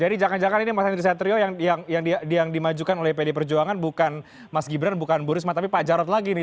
jadi jangan jangan ini mas hendri setrio yang dimajukan oleh babd perjuangan bukan mas gibran bukan bu risma tapi pak jarod lagi nih